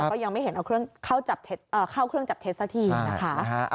ก็ยังไม่เห็นเอาเข้าเครื่องจับเท็จสักทีนะคะ